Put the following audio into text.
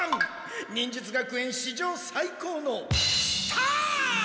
忍術学園史上最高のスター！